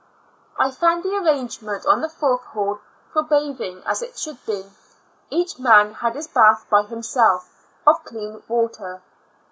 I found the arrangement on the fourth hall for bathing as it should bej each man had his bath by himself of clean water.